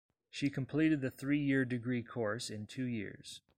She completed the three year degree course in two years.